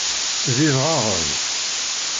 D idɣaɣen!